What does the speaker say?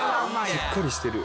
しっかりしてる。